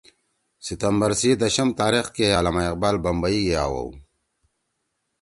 ستمبر سی دشم تاریخ کے علامہ اقبال بمبئی گے آوؤ